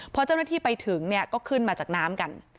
พอเจ้าหน้าที่ไปถึงเนี่ยก็ขึ้นมาจากน้ำกัน